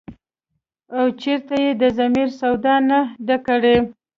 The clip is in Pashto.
او چرته ئې د ضمير سودا نه ده کړې ۔”